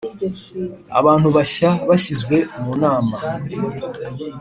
Abantu bashya bashyizwe mu Nama.